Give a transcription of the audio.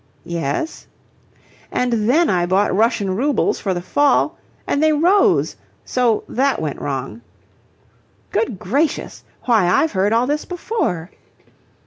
"Yes?" "And then I bought Russian Roubles for the fall, and they rose. So that went wrong." "Good gracious! Why, I've heard all this before."